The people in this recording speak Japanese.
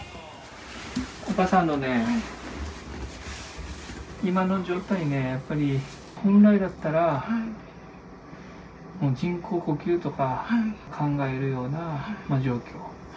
お母さん、あのね、今の状態ね、やっぱり本来だったら、もう人工呼吸とか、考えるような状況。